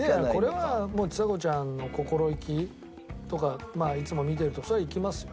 これはもうちさ子ちゃんの心意気とかいつも見てるとそりゃあいきますよ。